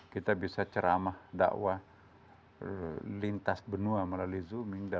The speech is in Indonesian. kita bisa ceramah dakwah lintas benua melalui zooming